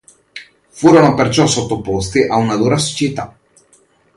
Furono perciò sottoposti a una dura siccità.